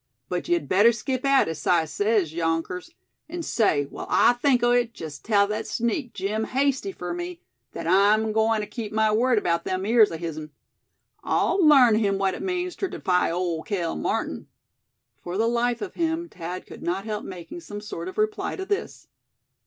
But ye'd better skip out, as Si sez, younkers. An' say, wile I think o' it, jest tell thet sneak, Jim Hasty, fur me, thet I'm agoin' ter keep my word 'bout them ears o' his'n. I'll larn him what it means ter defy Old Cale Martin." For the life of him Thad could not help making some sort of reply to this.